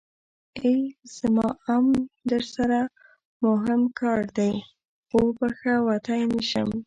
ای زما ام درسره موهم کار دی خو وبښه وتی نشم.